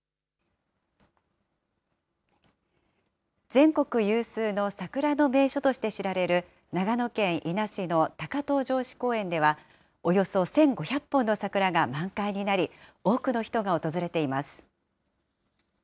全国有数の桜の名所として知られる、長野県伊那市の高遠城址公園では、およそ１５００本の桜が満開になり、多くの人が訪れています。